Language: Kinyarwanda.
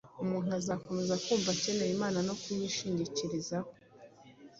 Umuntu azakomeza kumva akeneye Imana no kuyishingikirizaho,